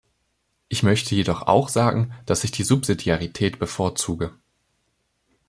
Ich möchte jedoch auch sagen, dass ich die Subsidiarität bevorzuge.